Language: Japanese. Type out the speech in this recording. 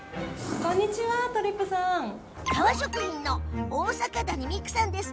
革職人の大阪谷未久さんです。